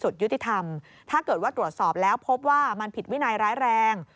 ตรวจสอบแล้วพบว่ามันผิดวินัยร้ายแรง